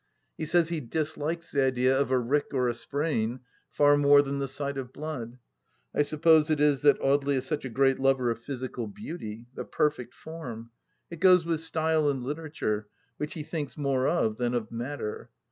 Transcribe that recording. He says he dislikes the idea of a rick or a sprain far more than the sight of blood. I suppose it is that Audely is such a great lover of physical beauty — the perfect form I It goes with style in literature, which he thinks more of than of matter.